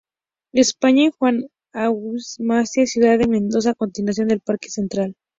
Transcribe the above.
España y Juan Agustín Maza, Ciudad de Mendoza a continuación del Parque Central.